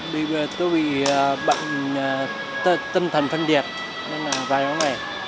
bây giờ tôi bị bệnh tâm thần phân điệt nên là vài năm rồi